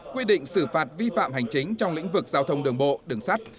quy định xử phạt vi phạm hành chính trong lĩnh vực giao thông đường bộ đường sắt